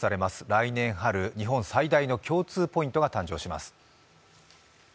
来年春、日本最大の共通ポイントが誕生します。